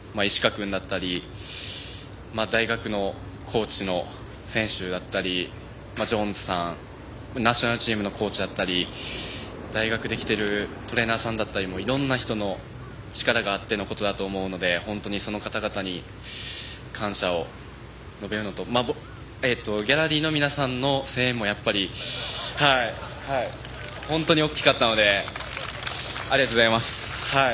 君だったり大学のコーチの選手だったりナショナルチームのコーチだったり大学のトレーナーさんだったりいろんな人の力があってのことだと思うので本当に感謝を述べるのとギャラリーの皆さんの声援もやっぱり本当に大きかったのでありがとうございます。